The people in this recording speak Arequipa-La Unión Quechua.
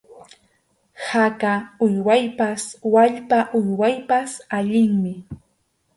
Khaka uywaypas wallpa uywaypas allinmi.